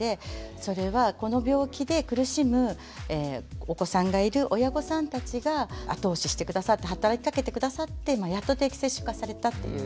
それはこの病気で苦しむお子さんがいる親御さんたちが後押しして下さって働きかけて下さってやっと定期接種化されたっていう。